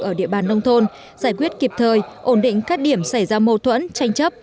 ở địa bàn nông thôn giải quyết kịp thời ổn định các điểm xảy ra mâu thuẫn tranh chấp